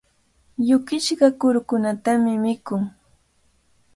Yukishqa kurukunatami mikun.